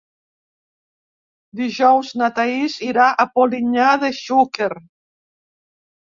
Dijous na Thaís irà a Polinyà de Xúquer.